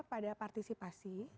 dampak pada partisipasi